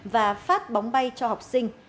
và phát bóng bay cho học sinh